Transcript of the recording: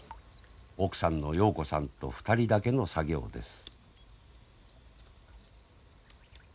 奥さんのようこさんと２人だけの作業です。